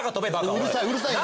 うるさいうるさいな！